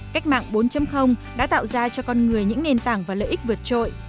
cách mạng bốn đã tạo ra cho con người những nền tảng và lợi ích vượt trội